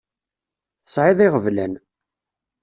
Tesεiḍ iɣeblan.